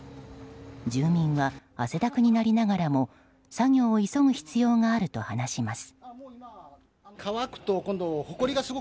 住民は汗だくになりながらも作業を急ぐ必要があると話します。